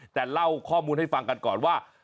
แต่เล่าข้อมูลให้ฟังกันก่อนว่า